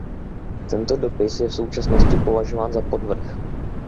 Tento dopis je v současnosti považován za podvrh.